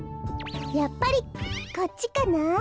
やっぱりこっちかな？